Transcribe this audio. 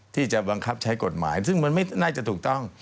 ที่จะบังคับใช้กฎหมายซึ่งมันไม่น่าจะถูกต้อง